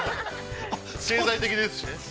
経済的ですしね。